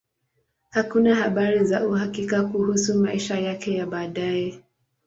Hakuna habari za uhakika kuhusu maisha yake ya baadaye.